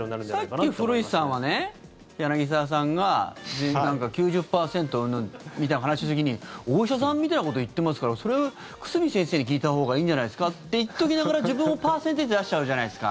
さっき、古市さんはね柳澤さんがなんか９０％うんぬんみたいな話をした時にお医者さんみたいなこと言ってますからそれ、久住先生に聞いたほうがいいんじゃないですかって言っておきながら自分もパーセンテージ出しちゃうじゃないですか。